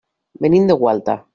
Venim de Gualta.